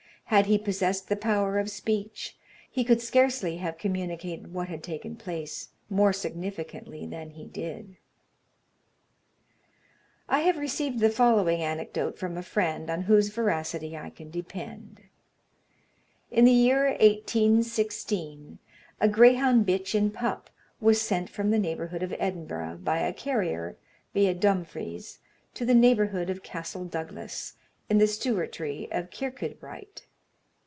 Had he possessed the power of speech, he could scarcely have communicated what had taken place more significantly than he did. I have received the following anecdote from a friend, on whose veracity I can depend: In the year 1816, a greyhound bitch in pup was sent from the neighbourhood of Edinburgh by a carrier, viâ Dumfries, to the neighbourhood of Castle Douglas, in the stewartry of Kirkeudbright.